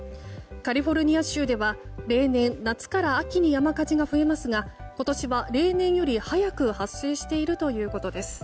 カリフォルニア州では例年、夏から秋に山火事が増えますが今年は例年より早く発生しているということです。